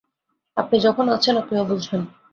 আপনি যখন আছেন, আপনিও বুঝবেন।